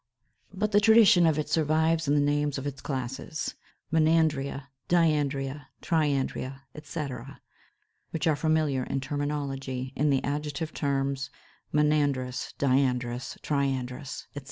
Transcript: But the tradition of it survives in the names of its classes, Monandria, Diandria, Triandria, etc., which are familiar in terminology in the adjective terms monandrous, diandrous, triandrous, etc.